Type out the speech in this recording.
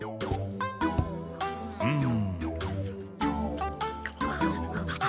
うん。